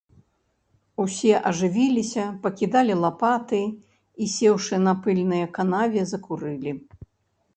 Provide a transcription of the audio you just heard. Усе ажывіліся, пакідалі лапаты і, сеўшы на пыльнай канаве, закурылі.